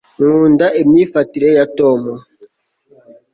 nkunda imyifatire ya tom